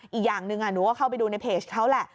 อีกอย่างหนึ่งหนูก็เข้าไปดูในเพจเขาแหละ